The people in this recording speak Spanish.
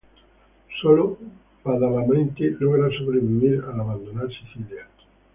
Solo Badalamenti logra sobrevivir, al abandonar Sicilia.